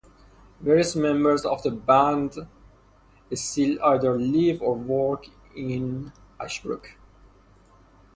Various members of the band still either live or work in Ashbrooke.